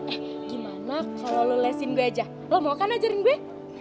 eh gimana kalau lo lesin gue aja lo mau kan ajarin gue